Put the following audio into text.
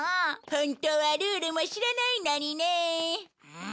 ホントはルールも知らないのにね。